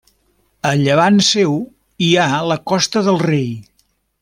A llevant seu hi ha la Costa del Rei.